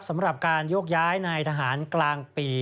สำหรับการโยกย้ายนายทหารกลางปี